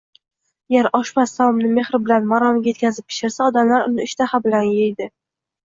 Agar oshpaz taomni mehr bilan, maromiga yetkazib pishirsa, odamlar uni ishtaha bilan yeydi.